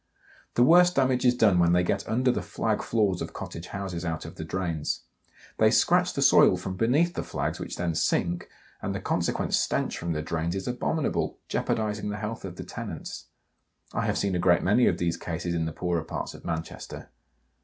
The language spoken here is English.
The worst damage is done when they get under the flag floors of cottage houses out of the drains. They scratch the soil from beneath the flags, which then sink, and the consequent stench from the drains is abominable, jeopardising the health of the tenants. I have seen a great many of these cases in the poorer parts of Manchester.